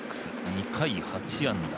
２回、８安打。